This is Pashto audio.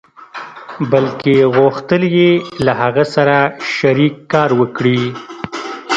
بلکې غوښتل يې له هغه سره شريک کار وکړي.